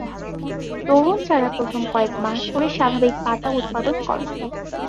তরুণ চারা প্রথম কয়েক মাস ধরে স্বাভাবিক পাতা উৎপাদন করে।